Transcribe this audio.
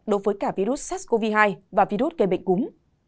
đối với cả virus sars cov hai và virus gây bệnh cúm